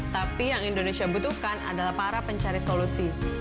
tapi yang indonesia butuhkan adalah para pencari solusi